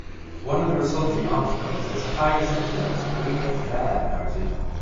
One of the resulting articles was a highly sexualised Rupert Bear parody.